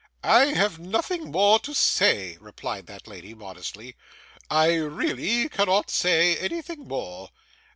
'I have nothing more to say,' replied that lady modestly. 'I really cannot say anything more.